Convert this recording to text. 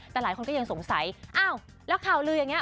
แต่หลายคนก็ยังสงสัยอ้าวแล้วข่าวลืออย่างนี้